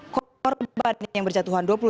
korban yang berjatuhan